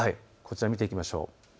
見ていきましょう。